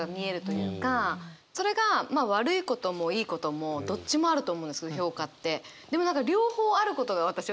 それがまあ悪いこともいいこともどっちもあると思うんです評価って。